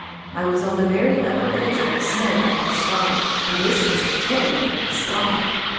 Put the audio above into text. I was on the very upper edge of the snow that had started, and this was the tail end of the slide.